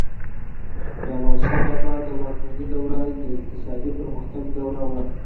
د احمدشاه بابا د واکمنۍ دوره د اقتصادي پرمختګ دوره وه.